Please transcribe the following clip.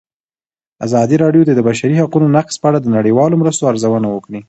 ازادي راډیو د د بشري حقونو نقض په اړه د نړیوالو مرستو ارزونه کړې.